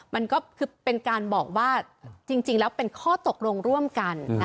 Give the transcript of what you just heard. มันก็คือเป็นการบอกว่าจริงแล้วเป็นข้อตกลงร่วมกัน